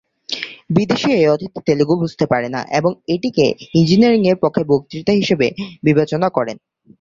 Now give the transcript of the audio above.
বিদেশী এই প্রধান অতিথি তেলুগু বুঝতে পারেন না এবং এটিকে ইঞ্জিনিয়ারিংয়ের পক্ষে বক্তৃতা হিসাবে বিবেচনা করেন।